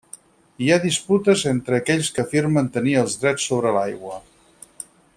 Hi ha disputes entre aquells que afirmen tenir els drets sobre l'aigua.